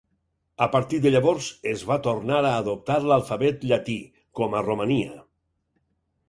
A partir de llavors es va tornar a adoptar l'alfabet llatí, com a Romania.